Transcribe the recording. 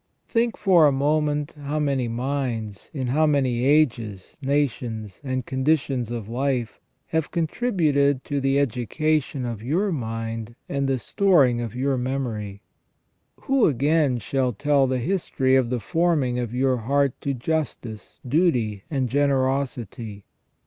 Think for a moment how many minds, in how many ages, nations, and con ditions of life, have contributed to the education of your mind and the storing of your memory. Who, again, shall tell the history of the forming of your heart to justice, duty, and generosity